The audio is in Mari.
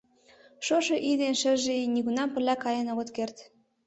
— Шошо ий ден шыже ий нигунам пырля каен огыт керт.